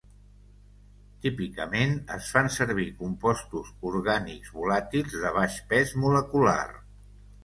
Típicament, es fan servir compostos orgànics volàtils de baix pes molecular.